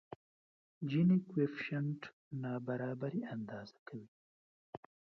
جیني کویفشینټ نابرابري اندازه کوي.